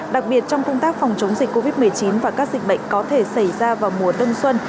đặc biệt trong công tác phòng chống dịch covid một mươi chín và các dịch bệnh có thể xảy ra vào mùa đông xuân